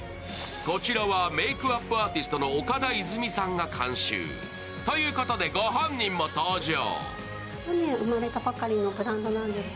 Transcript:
こちらはメークアップアーティストの岡田いずみさんが監修。ということでご本人も登場。